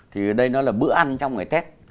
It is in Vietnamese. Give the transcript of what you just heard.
thì đây nó là bữa ăn trong cái tết